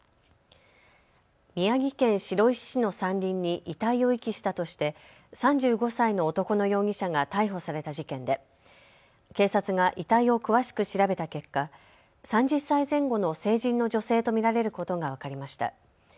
宮城県白石市の山林に遺体を遺棄したとして３５歳の男の容疑者が逮捕された事件で警察が遺体を詳しく調べた結果３０歳前後の成人の女性と見られることが分かりました。